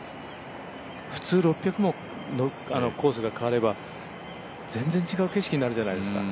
普通６００もコースが変われば全然違う景色になるじゃないですか。